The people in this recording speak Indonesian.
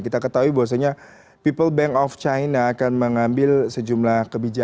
kita ketahui bahwasanya people bank of china akan mengambil sejumlah kebijakan